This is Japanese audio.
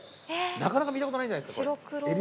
なかなか見たことないんじゃないですか？